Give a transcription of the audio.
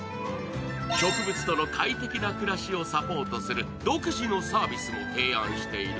植物との快適な暮らしをサポートする独自のサービスも提案している